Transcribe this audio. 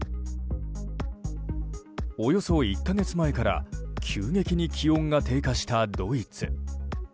およそ１か月前から急激に気温が低下したドイツ。